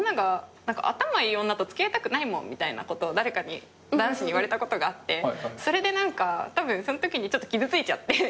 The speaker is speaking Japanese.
頭いい女と付き合いたくないもんみたいなこと誰かに男子に言われたことがあってそれで何かたぶんそのときにちょっと傷ついちゃって。